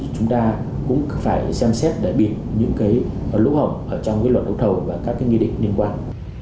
chúng ta cũng phải xem xét đại biệt những lũ hổng trong luật đấu thầu và các nghi định liên quan